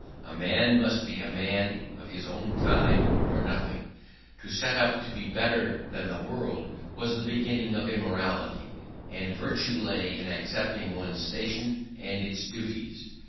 A man must be a man of his own time, or nothing; to set up to be better than the world was the beginning of immorality; and virtue lay in accepting one's station and its duties.